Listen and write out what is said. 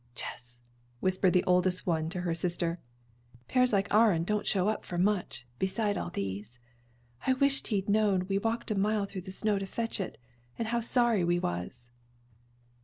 "Jess," whispered the oldest one to her sister, "'Pears like our 'n don't show up for much, beside all these. I wisht he knowed we walked a mile through the snow to fetch it, and how sorry we was."